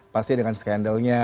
pastinya dengan skandalnya